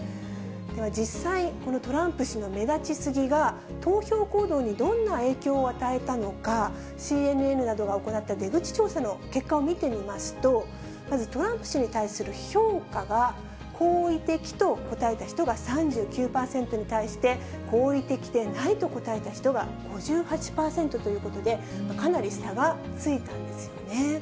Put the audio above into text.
では実際、このトランプ氏の目立ち過ぎが、投票行動にどんな影響を与えたのか、ＣＮＮなどが行った出口調査の結果を見てみますと、まずトランプ氏に対する評価が好意的と答えた人が３９％に対して、好意的でないと答えた人が５８％ということで、かなり差がついたんですよね。